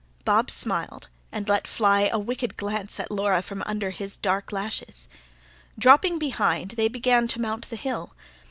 Bob smiled, and let fly a wicked glance at Laura from under his dark lashes. Dropping behind, they began to mount the hill.